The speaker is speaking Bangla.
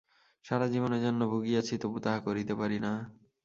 সারাজীবন এজন্য ভুগিয়াছি, তবু তাহা করিতে পারি না।